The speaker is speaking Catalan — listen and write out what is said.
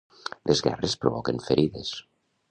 Les guerres provoquen ferides.